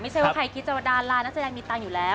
ไม่ใช่ว่าใครคิดจะว่าดารานักแสดงมีตังค์อยู่แล้ว